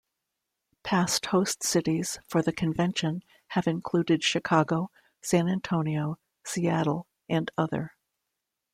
Past host cities for the convention have included Chicago, San Antonio, Seattle, and other.